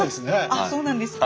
あっそうなんですか。